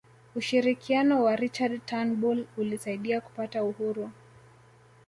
ushirikiano wa richard turnbull ulisaidia kupata uhuru